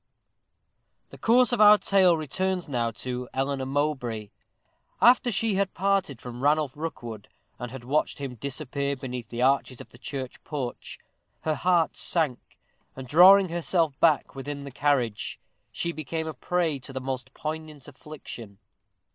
_ The course of our tale returns now to Eleanor Mowbray. After she had parted from Ranulph Rookwood, and had watched him disappear beneath the arches of the church porch, her heart sank, and, drawing herself back within the carriage, she became a prey to the most poignant affliction.